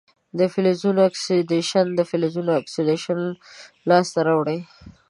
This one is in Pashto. د فلزونو اکسیدیشن د فلزونو اکسایدونه لاسته راوړي.